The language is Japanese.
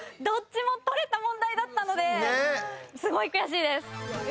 どっちも取れた問題だったのですごい悔しいです！